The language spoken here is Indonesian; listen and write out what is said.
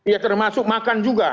ya termasuk makan juga